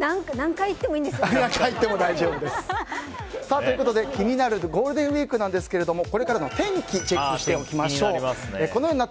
何回行ってもいいんですよね。ということで気になるゴールデンウィークなんですけどもこれからの天気をチェックしておきましょう。